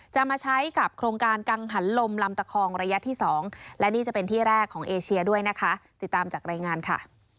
มาใช้กับโครงการกังหันลมลำตะคองระยะที่๒และนี่จะเป็นที่แรกของเอเชียด้วยนะคะติดตามจากรายงานค่ะ